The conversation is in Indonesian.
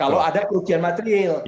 kalau ada kerugian material